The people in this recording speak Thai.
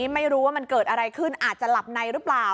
ไม่รู้ว่ามันเกิดอะไรขึ้นอาจจะหลับในหรือเปล่า